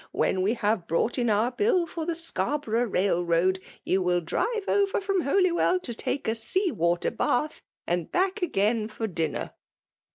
— when we have brought in our bill for the Scarborough rail*road, you will drive over from Holywell to take a sea water bath, and back again for dinner.'